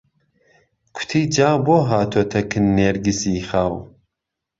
کوتی جا بۆ هاتۆته کن نێرگسی خاو